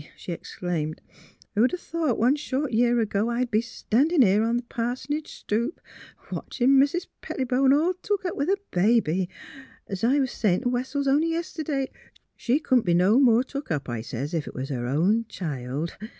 " she exclaimed. '' Who'd 'a* MISS PHILUEA'S BABY 335 thought one short year ago I'd be a standin' here on th' pars'nage stoop a watchin' Mis' Pettibone all took up with a baby! 'S I was sayin' t' Wes sels only yest'd'y, ^ She couldn't be no more took up,' I sez, ' ef it was her own child.'